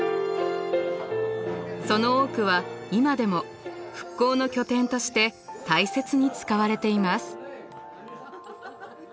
その多くは今でも復興の拠点として大切に使われています。